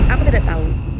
aku tidak tahu